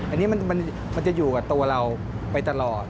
อันนี้มันจะอยู่กับตัวเราไปตลอด